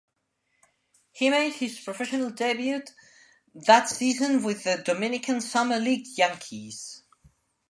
He made his professional debut that season with the Dominican Summer League Yankees.